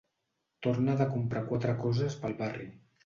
Torna de comprar quatre coses pel barri.